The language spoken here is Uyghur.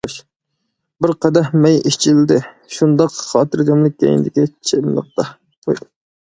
بىر قەدەھ مەي ئىچىلدى شۇنداق خاتىرجەملىك كەينىدىكى چىملىقتا.